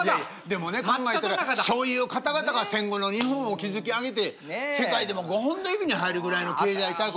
でもね考えたらそういう方々が戦後の日本を築き上げて世界でも５本の指に入るぐらいの経済大国や。